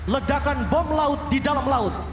ledakan bom laut di dalam laut